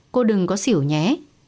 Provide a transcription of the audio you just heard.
cô đừng có xỉu nhé